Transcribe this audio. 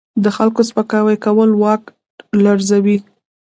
د خلکو سپکاوی کول واک لرزوي.